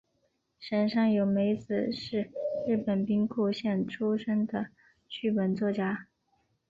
神山由美子是日本兵库县出身的剧本作家。